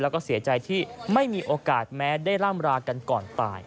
แล้วก็เสียใจที่ไม่มีโอกาสแม้ได้ร่ำรากันก่อนตาย